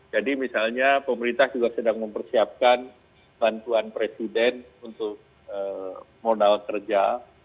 jadi misalnya pemerintah juga sedang mempersiapkan bantuan presiden untuk modal kerja